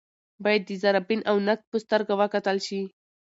باید د ذره بین او نقد په سترګه وکتل شي